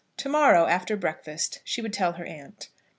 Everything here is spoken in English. To morrow, after breakfast, she would tell her aunt.